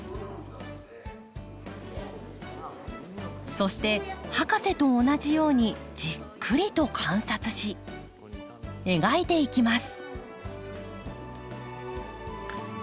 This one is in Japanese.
そして博士と同じようにじっくりと観察し描いていきます。